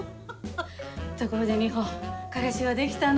ところで美穂彼氏はできたの？